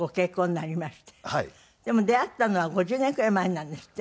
でも出会ったのは５０年くらい前なんですって？